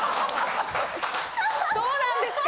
そうなんですか？